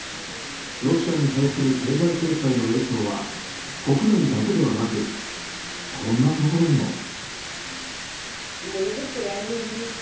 ロシアに対する経済制裁の影響は国内だけではなくこんなところにも。